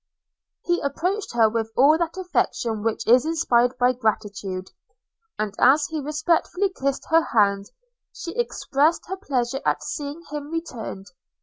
He approached her with all that affection which is inspired by gratitude; and as he respectfully kissed her hand, she expressed her pleasure at seeing him returned.